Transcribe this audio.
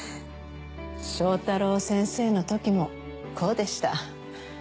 正太郎先生のときもこうでした。